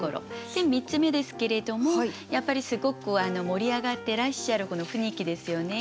３つ目ですけれどもやっぱりすごく盛り上がってらっしゃるこの雰囲気ですよね。